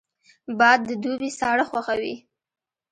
باد د دوبي ساړه خوښوي